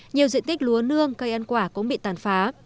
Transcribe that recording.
nhiều diện tích lúa nương cây ăn quả cũng bị tàn phá